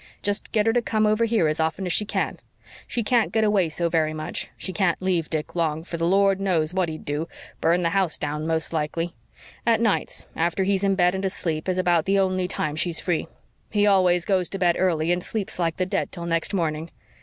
Just get her to come over here as often as she can. She can't get away so very much she can't leave Dick long, for the Lord knows what he'd do burn the house down most likely. At nights, after he's in bed and asleep, is about the only time she's free. He always goes to bed early and sleeps like the dead till next morning.